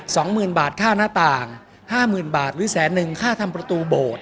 สองหมื่นบาทค่าหน้าต่างห้าหมื่นบาทหรือแสนหนึ่งค่าทำประตูโบสถ์